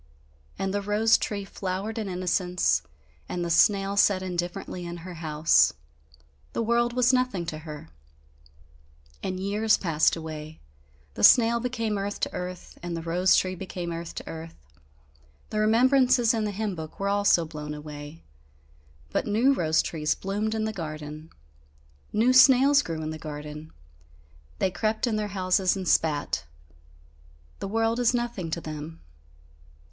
And the rose tree flowered in innocence, and the snail sat indifferently in her house. The world was nothing to her. And years passed away. The snail became earth to earth and the rose tree became earth to earth; the remembrances in the hymn book were also blown away but new rose trees bloomed in the garden, new snails grew in the garden; they crept in their houses and spat. The world is nothing to them.